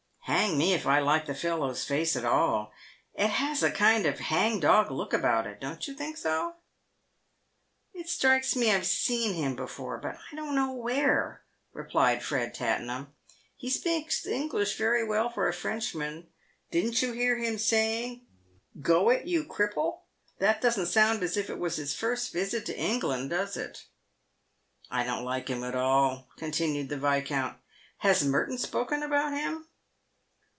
u Hang me if I like the fellow's face at all. It has a kind of hang dog look about it. Don't you think so ?" "It strikes me I'ye seen him before, but I don't know where," re plied Fred Tattenham. " He speaks English very well for a French man. Didn't you hear him saying, ' Gk> it, you cripple ?' That doesn't sound as if it was his first visit to England, does it ?" "I don't like him at all," continued the Viscount. " Has Merton spoken about him